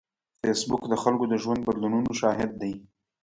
فېسبوک د خلکو د ژوند بدلونونو شاهد دی